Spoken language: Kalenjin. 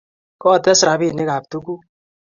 ko tes rabinik ab tuguk